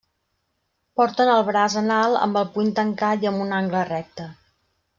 Porten el braç en alt amb el puny tancat i amb un angle recte.